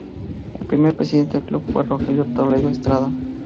El primer presidente del club fue Rogelio Toledo Estrada.